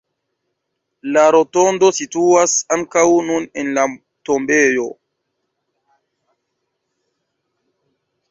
La rotondo situas ankaŭ nun en la tombejo.